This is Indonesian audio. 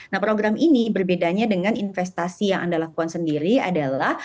nah program ini berbedanya dengan investasi yang anda lakukan sendiri adalah